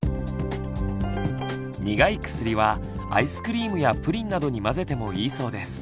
苦い薬はアイスクリームやプリンなどに混ぜてもいいそうです。